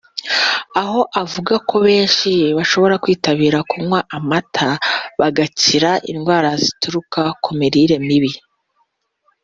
aho avuga ko benshi bashobora kwitabira kunywa amata bagakira indwara zituruka ku mirire mibi